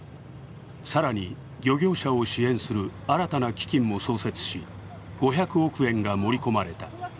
更に漁業者を支援する新たな基金も創設し、５００億円が盛り込まれた。